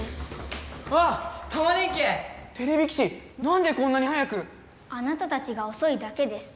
なんでこんなに早く⁉あなたたちがおそいだけです。